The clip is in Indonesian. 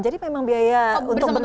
jadi memang biaya untuk berliburnya